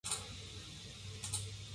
Existe esta interacción en pocos casos.